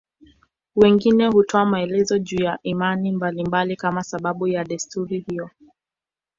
Wengine hutoa maelezo juu ya imani mbalimbali kama sababu ya desturi hiyo.